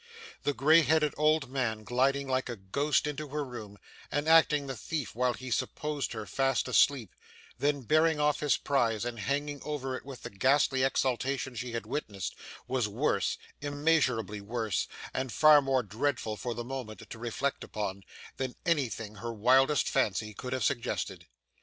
The grey headed old man gliding like a ghost into her room and acting the thief while he supposed her fast asleep, then bearing off his prize and hanging over it with the ghastly exultation she had witnessed, was worse immeasurably worse, and far more dreadful, for the moment, to reflect upon than anything her wildest fancy could have suggested.